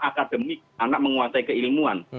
akademik anak menguatai keilmuan